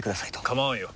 構わんよ。